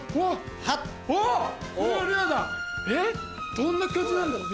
どんな感じなんだろう？